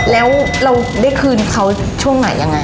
แล้วเราได้คืนเขาช่วงไหนยังไง